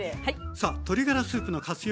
さあ鶏ガラスープの活用